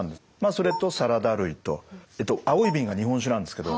それとサラダ類と青い瓶が日本酒なんですけど。